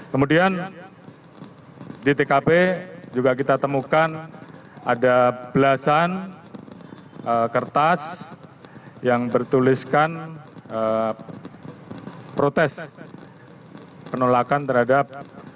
kemudian di tkp juga kita temukan ada belasan kertas yang bertuliskan protes penolakan terhadap